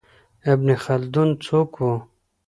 ابن خلدون څوک و؟